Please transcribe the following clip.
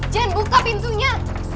jen buka pintunya